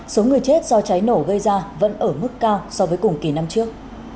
số người chết do cháy nổ gây ra vẫn ở mức cao so với cùng kỳ năm trước